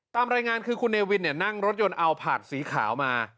ตามรายงานคือคุณเนวินนั่งรถยนต์เอาผาดสีขาวมา